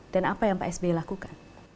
dan apa yang pak sbe lakukan